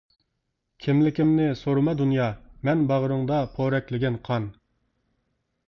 كىملىكىمنى سورىما دۇنيا، مەن باغرىڭدا پورەكلىگەن قان.